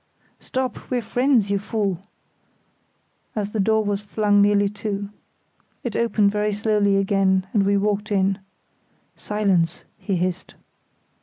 "Stop, we're friends, you fool!" as the door was flung nearly to. It opened very slowly again, and we walked in. "Silence!" he hissed.